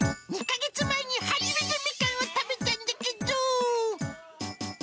２か月前に初めてみかんを食べたんだけど。